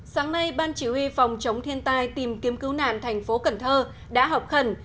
sáng nay ban chỉ huy phòng chống thiên tai tìm kiếm cứu nạn thành phố cần thơ đã họp khẩn